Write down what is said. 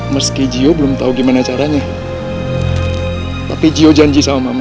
meski jio belum tahu gimana caranya tapi jio janji sama mama